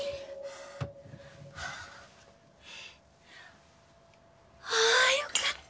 ああよかった。